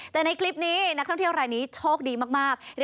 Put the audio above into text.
แต่ในคลิปนี้นักท่องเที่ยวรายนี้โชคดีมาก